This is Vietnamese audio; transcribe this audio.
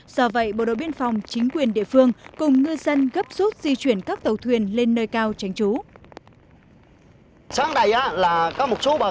do vậy bộ đội biên phòng chính quyền địa phương cùng ngư dân gấp suốt di chuyển các tàu thuyền lên nơi cao tránh trú